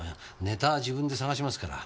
ネタは自分で探しますから。